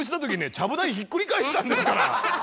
ちゃぶ台ひっくり返したんですから。